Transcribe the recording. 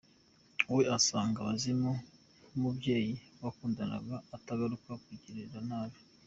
We asanga umuzimu w’umubyeyi wagukundaga atagaruka kukugirira nabi.